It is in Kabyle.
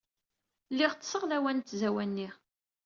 Lliɣ ṭṭseɣ lawan n tzawwa-nni.